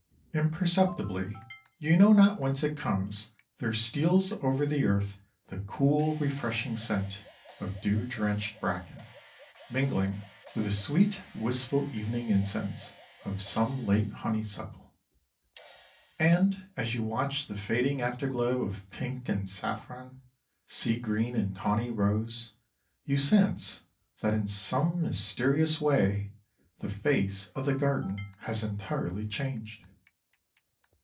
Imperceptibly, you know not whence it comes, there steals over the earth the cool, refreshing scent of dew drenched bracken, mingling with the sweet wistful evening incense of some late honeysuckle. And as you watch the fading after glow of pink and saffron, sea green and tawny rose, you sense that in some mysterious way the face of the garden has entirely changed.